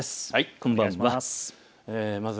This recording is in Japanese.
こんばんは。